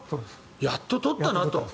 やっと取ったなと。